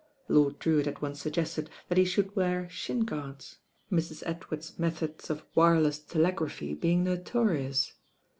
Lord Drewitt had once suggested that he should wear shin guards, Mrs. Edward's methods of wireless telegraphy being notorious.